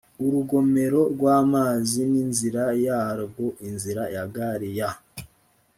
urugomerorw amazi n inzira yarwo inzira ya gari ya